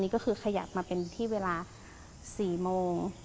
ก็คือขยับมาเป็นที่เวลา๔โมง